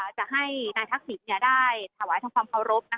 จะให้นายทักษิณได้ถวายทำความเคารพ